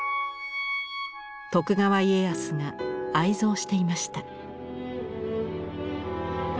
徳川家康が愛蔵していました。